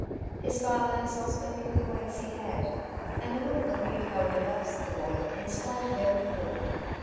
His father has lost many of the ways he had, and you wouldn't believe how he loves the boy, in spite of everything.